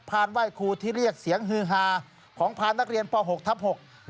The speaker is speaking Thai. ไหว้ครูที่เรียกเสียงฮือฮาของพานนักเรียนป๖ทับ๖